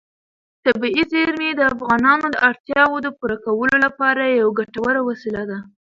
طبیعي زیرمې د افغانانو د اړتیاوو د پوره کولو لپاره یوه ګټوره وسیله ده.